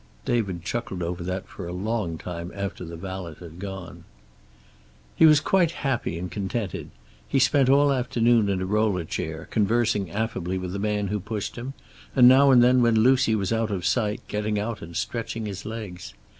David chuckled over that for a long time after the valet had gone. He was quite happy and contented. He spent all afternoon in a roller chair, conversing affably with the man who pushed him, and now and then when Lucy was out of sight getting out and stretching his legs.